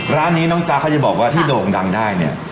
ร้านนี้น้องจ๊ะเขาจะบอกว่าที่โด่งดังได้เนี่ย